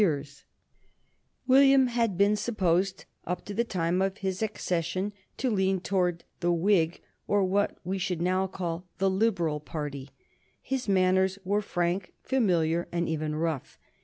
[Sidenote: 1830 The pocket boroughs] William had been supposed up to the time of his accession to lean towards the Whig, or what we should now call the Liberal party. His manners were frank, familiar, and even rough.